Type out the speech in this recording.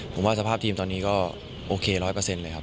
ผมว่าสภาพทีมตอนนี้ก็โอเค๑๐๐เลยครับ